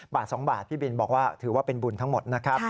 บาท๒บาทพี่บินบอกว่าถือว่าเป็นบุญทั้งหมดนะครับ